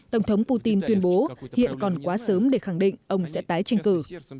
tổng thống putin tuyên bố hiện còn quá sớm để khẳng định ông sẽ tái tranh cử